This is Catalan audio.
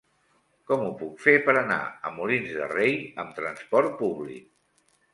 Com ho puc fer per anar a Molins de Rei amb trasport públic?